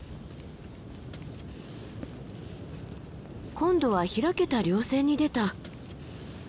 今度は開けた稜線に出た。